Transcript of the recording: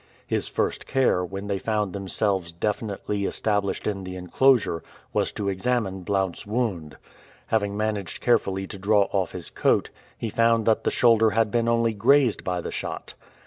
His first care, when they found themselves definitely established in the enclosure, was to examine Blount's wound. Having managed carefully to draw off his coat, he found that the shoulder had been only grazed by the shot.